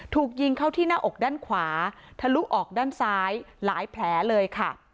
ถูกยิงเข้าที่หน้าอกด้านขวาทะลุออกด้านซ้ายหลายแผลเลยค่ะ